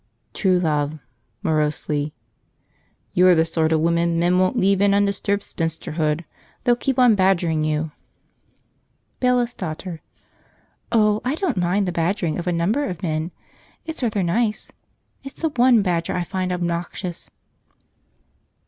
True Love (morosely). "You're the sort of woman men won't leave in undisturbed spinsterhood; they'll keep on badgering you." Bailiff's Daughter. "Oh, I don't mind the badgering of a number of men; it's rather nice. It's the one badger I find obnoxious."